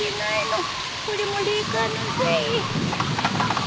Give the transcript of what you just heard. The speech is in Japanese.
これも霊感のせい？